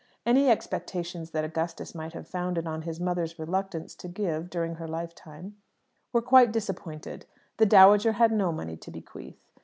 Any expectations that Augustus might have founded on his mother's reluctance to give during her lifetime were quite disappointed. The dowager had no money to bequeath.